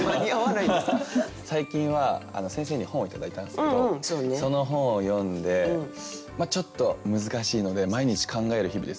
最近は先生に本を頂いたんすけどその本を読んでちょっと難しいので毎日考える日々です。